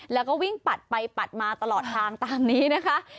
แล้วก็วิ่งปัดไปปัดมาตลอดทางตามนี้นะคะ